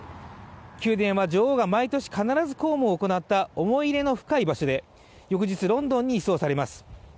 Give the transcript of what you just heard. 宮殿は女王が毎年、必ず公務を行った思い入れの深い場所で翌日ロンドンに移送されます。